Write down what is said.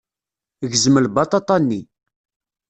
Gzem lbaṭaṭa-nni.